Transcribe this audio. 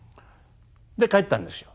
で帰ったんですよ。